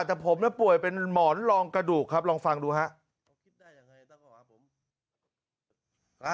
แต่ผมป่วยเป็นหมอนรองกระดูกครับลองฟังดูครับ